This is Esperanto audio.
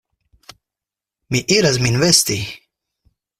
Mi iras min vesti!